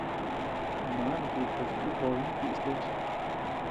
Man jikus y joben jiʼis leche.